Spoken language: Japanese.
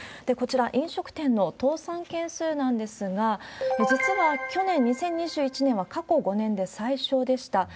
こちら、飲食店の倒産件数なんですが、実は去年・２０２１年は過去５年で最少でした。